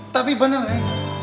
tapi bener neng